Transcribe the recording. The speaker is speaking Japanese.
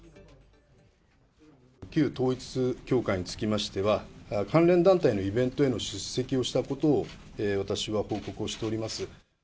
旧統一教会につきましては、関連団体のイベントへの出席をしたことを私は報告をしております。